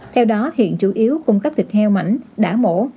theo đó hiện chủ yếu cung cấp thịt heo mảnh đã mổ